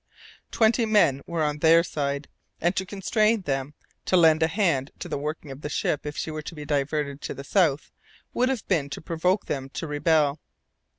Twenty men were on their side, and to constrain them to lend a hand to the working of the ship if she were to be diverted to the south would have been to provoke them to rebel.